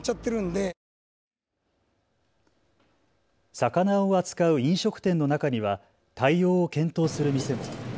魚を扱う飲食店の中には対応を検討する店も。